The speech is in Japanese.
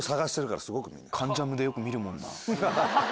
『関ジャム』でよく見るもんな。